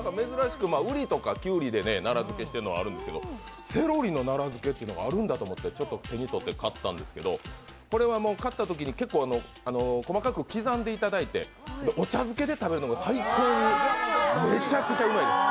ウリとかキュウリで奈良漬しているのはあるんですけど、セロリの奈良漬けがあるんだと思って手に取って買ったんですけどこれは買ったときに細かく刻んでいただいてお茶漬けで食べるのが最高に、めちゃくちゃうまいんです。